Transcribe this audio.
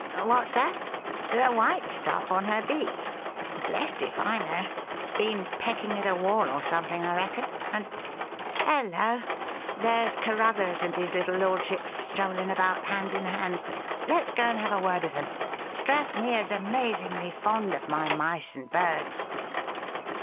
What's that? The white stuff on her beak? Blest if I know. Been pecking at a wall or something, I reckon, and hullo! There's Carruthers and his little lordship strolling about hand in hand. Let's go and have a word with them. Strathmere's amazingly fond of my mice and birds."